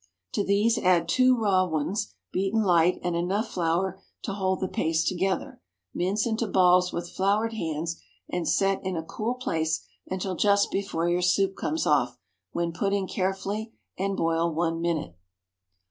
To these add two raw ones, beaten light, and enough flour to hold the paste together. Mince into balls with floured hands and set in a cool place until just before your soup comes off, when put in carefully and boil one minute.